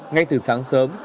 ngay từ sáng sớm